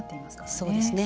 そうですね。